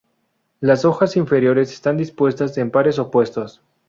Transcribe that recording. Las hojas inferiores están dispuestas en pares opuestos.